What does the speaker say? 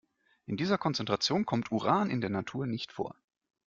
In dieser Konzentration kommt Uran in der Natur nicht vor.